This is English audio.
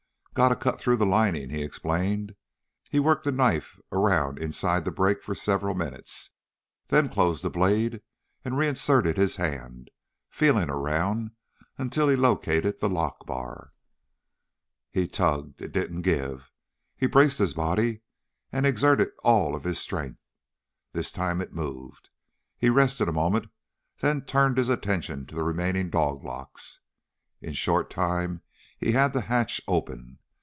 "Got to cut through the lining," he explained. He worked the knife around inside the break for several minutes, then closed the blade and reinserted his hand, feeling around until he located the lockbar. He tugged. It didn't give. He braced his body and exerted all of his strength. This time it moved. He rested a moment then turned his attention to the remaining doglocks. In short time he had the hatch open.